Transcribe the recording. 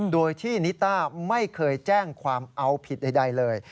โดยที่นิต้าไม่เคยแจ้งความเอาผิดใดเลย